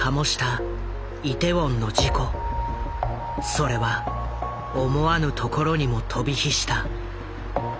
それは思わぬところにも飛び火した。